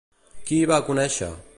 Qui hi va conèixer?